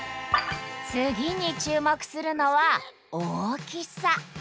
次に注目するのは大きさ。